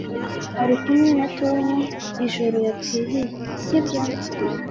Wari kumwe na Tom ijoro yapfiriye, si byo?